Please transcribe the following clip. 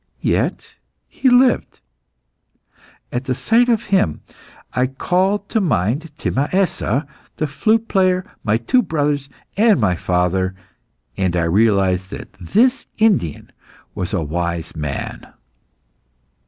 Yet he lived. At the sight of him I called to mind Timaessa, the flute player, my two brothers, and my father, and I realised that this Indian was a wise man.